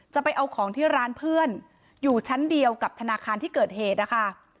ไปเอาของที่ร้านเพื่อนอยู่ชั้นเดียวกับธนาคารที่เกิดเหตุนะคะ